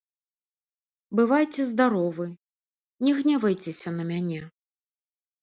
Бывайце здаровы, не гневайцеся на мяне.